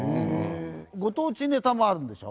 ご当地ネタもあるんでしょ？